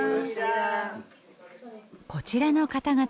こちらの方々